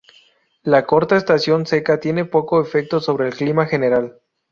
La corta estación seca tiene poco efecto sobre el clima general.